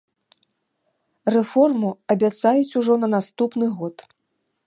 Рэформу абяцаюць ужо на наступны год.